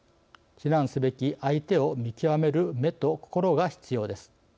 非難すべき相手を見極める目と心が必要です。